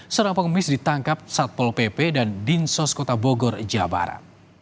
sedangkan pengemis ditangkap satpol pp dan dinsos kota bogor jabara